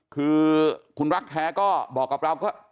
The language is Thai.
คือคุณรักแท้ก็บอกกับเราก็